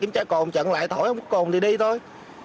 kiểm tra cồn chận lại thổi không có cồn thì đi thôi